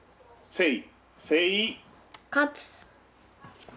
「せい」？